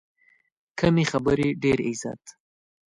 کمې خبرې، ډېر عزت.